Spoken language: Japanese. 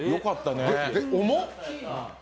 重っ！